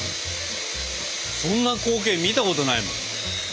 そんな光景見たことないもん。